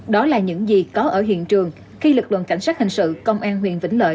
đó là những gì có ở hiện trường khi lực lượng cảnh sát hình sự công an huyện vĩnh lợi